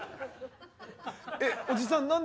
おじさん！